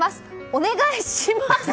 お願いします。